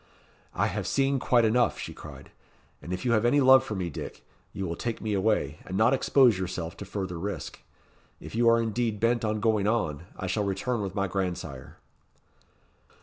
"I have seen quite enough," she cried; "and if you have any love for me, Dick, you will take me away, and not expose yourself to further risk. If you are indeed bent on going on, I shall return with my grandsire."